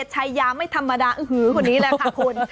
ใช้ยาไม่ธรรมดาคนนี้แหละค่ะคุณ